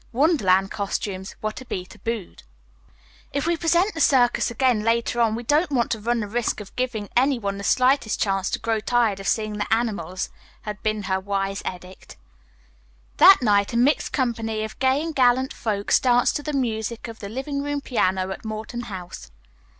Wonderland costumes were to be tabooed. "If we present the circus again later on we don't want to run the risk of giving any one the slightest chance to grow tired of seeing the animals," had been her wise edict. That night a mixed company of gay and gallant folks danced to the music of the living room piano at Morton House.